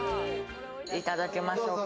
いただきましょうか。